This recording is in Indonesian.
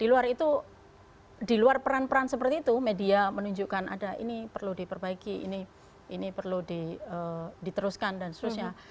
di luar itu di luar peran peran seperti itu media menunjukkan ada ini perlu diperbaiki ini perlu diteruskan dan seterusnya